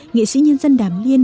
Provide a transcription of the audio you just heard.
nghệ sĩ nhân dân đàm liên